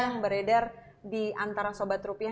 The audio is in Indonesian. yang beredar di antara sobat rupiah